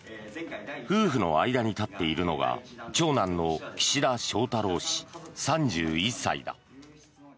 夫婦の間に立っているのが長男の岸田翔太郎氏、３１歳だ。